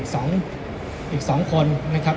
คุณอยู่ในโรงพยาบาลนะ